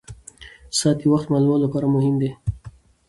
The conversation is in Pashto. ساعت د وخت معلومولو لپاره مهم ده.